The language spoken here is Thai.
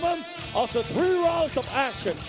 หลังจาก๓รอวนด์แอคชั่น